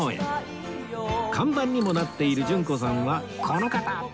看板にもなっている順子さんはこの方！